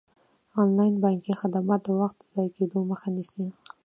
انلاین بانکي خدمات د وخت د ضایع کیدو مخه نیسي.